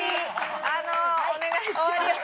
あのお願いします。